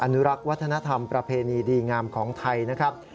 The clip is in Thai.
นุรักษ์วัฒนธรรมประเพณีดีงามของไทยนะครับ